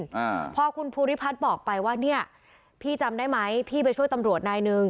อ่าพอคุณภูริพัฒน์บอกไปว่าเนี้ยพี่จำได้ไหมพี่ไปช่วยตำรวจนายหนึ่ง